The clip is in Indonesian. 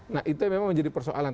nah itu yang memang menjadi persoalan